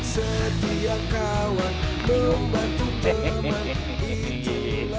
seperti iya iya ini